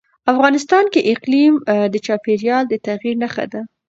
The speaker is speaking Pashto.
افغانستان کې اقلیم د چاپېریال د تغیر نښه ده.